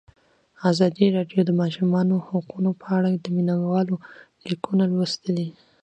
ازادي راډیو د د ماشومانو حقونه په اړه د مینه والو لیکونه لوستي.